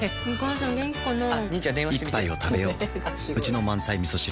一杯をたべよううちの満菜みそ汁